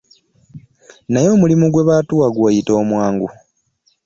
Naye omulimu gwebatuwa gw'oyita omwangu.